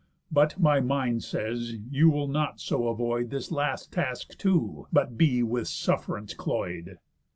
But my mind says, you will not so avoid This last task too, but be with suff'rance cloy'd."